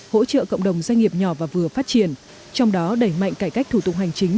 hỗ trợ cộng đồng doanh nghiệp nhỏ và vừa phát triển trong đó đẩy mạnh cải cách thủ tục hành chính